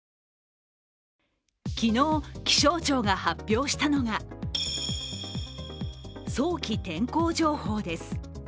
昨日、気象庁が発表したのが早期天候情報です。